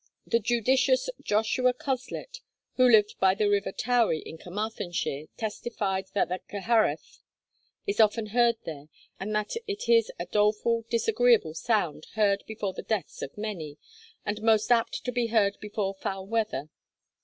The judicious Joshua Coslet, who lived by the river Towy in Carmarthenshire, testified that the Cyhyraeth is often heard there, and that it is 'a doleful, disagreeable sound heard before the deaths of many, and most apt to be heard before foul weather.